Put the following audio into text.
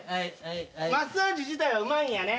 マッサージ自体はうまいんやね？